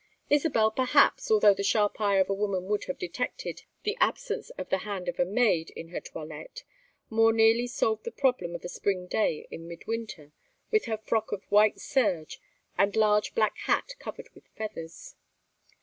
Isabel, perhaps, although the sharp eye of a woman would have detected the absence of the hand of a maid in her toilette, more nearly solved the problem of a spring day in mid winter, with her frock of white serge and large black hat covered with feathers.